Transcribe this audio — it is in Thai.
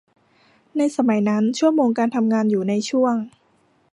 ในสมัยนั้นชั่วโมงการทำงานอยู่ในช่วง